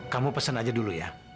kamu pesen aja dulu ya